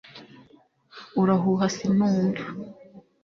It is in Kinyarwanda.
urahuha sinumva